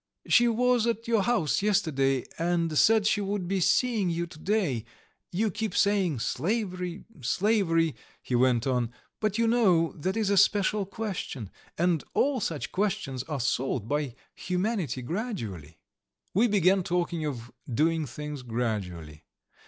"She was at our house yesterday, and said she would be seeing you to day. You keep saying slavery, slavery ..." he went on. "But you know that is a special question, and all such questions are solved by humanity gradually." We began talking of doing things gradually.